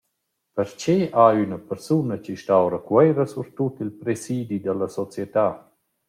Perchè ha üna persuna chi stà oura Cuoira surtut il presidi da la società?